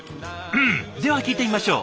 では聞いてみましょう。